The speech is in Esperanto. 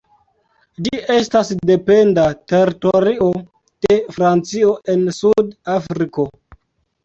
Ĝi estas dependa teritorio de Francio en Sud-Afriko.